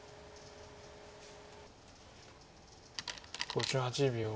５８秒。